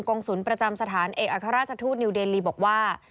งศูนย์ประจำสถานเอกอัครราชทูตนิวเดลีบอกว่า